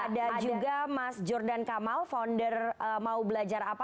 ada juga mas jordan kamal founder mau belajar apa